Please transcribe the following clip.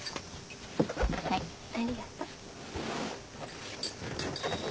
はい。ありがと。